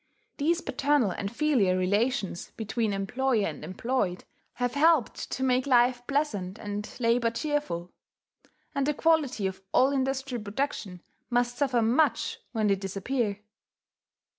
These paternal and filial relations between employer and employed have helped to make life pleasant and labour cheerful; and the quality of all industrial production must suffer much when they disappear.